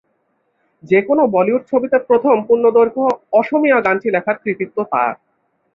যে কোনও বলিউড ছবিতে প্রথম পূর্ণদৈর্ঘ্য অসমীয়া গানটি লেখার কৃতিত্ব তাঁর।